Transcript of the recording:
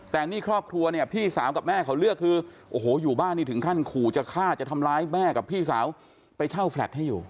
แต่นี่ครอบครัวเนี่ยพี่สาวกับแม่เขาเลือกคือโอ้โหอยู่บ้านนี่ถึงขั้นขู่จะฆ่าจะทำร้ายแม่กับพี่สาวไปเช่าแฟลตให้อยู่